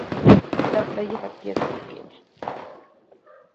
La playa es de piedra pequeña.